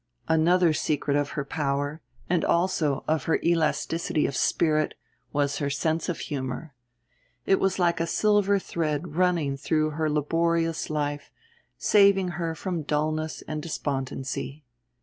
Another secret of her power, and also of her elasticity of spirit, was her sense of humour. It was like a silver thread running through her laborious life, saving her from dulness and despondency.